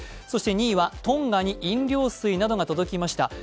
そして２位はトンガに飲料水などが届きました。